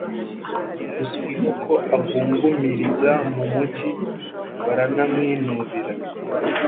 uzwiho ko agungumiriza, mu mugi baramwinubira,